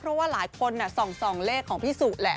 เพราะว่าหลายคนส่องเลขของพี่สุแหละ